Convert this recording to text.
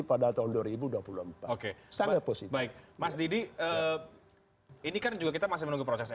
pada tahun dua ribu dua puluh empat oke sangat positif baik mas didi ini kan juga kita masih menunggu proses mk